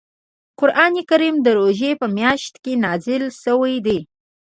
قران کریم د روژې په میاشت کې نازل شوی دی .